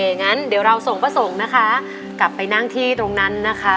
อย่างนั้นเดี๋ยวเราส่งพระสงฆ์นะคะกลับไปนั่งที่ตรงนั้นนะคะ